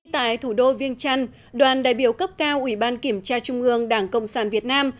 tại thủ đô viêng trăn đoàn đại biểu cấp cao ủy ban kiểm tra trung ương đảng cộng sản việt nam